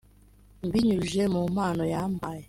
mbinyujije mu mpano yampaye